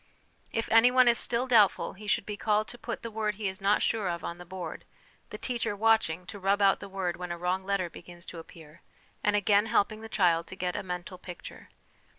If anyone is still doubtful he should be called to put the word he is not sure of on the board, the teacher watching to rub out the word when a wrong letter begins to appear, and again helping the child to get a mental picture.